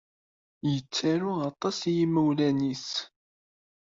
Yettaru aṭas i yimawlan-nnes.